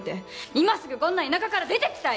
今すぐこんな田舎から出て行きたい！